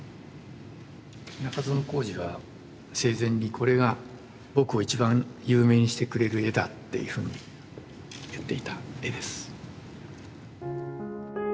中園孔二は生前にこれが僕を一番有名にしてくれる絵だっていうふうに言っていた絵です。